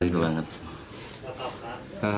terima kasih banget